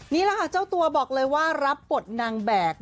นี่แหละค่ะเจ้าตัวบอกเลยว่ารับบทนางแบก